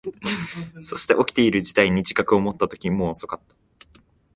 そして、起きている事態に自覚を持ったとき、もう遅かった。